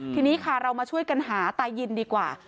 ทีนี้ค่ะเรามาช่วยกันหาตายินดีกว่า